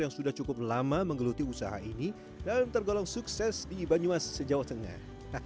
yang sudah cukup lama menggeluti usaha ini dan tergolong sukses di banyumas jawa tengah